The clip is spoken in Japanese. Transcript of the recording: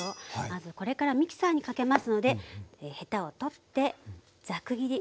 まずこれからミキサーにかけますのでヘタを取ってザク切り。